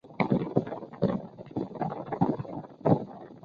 野村在非玩家角色的创建中却并不采用复杂的手法。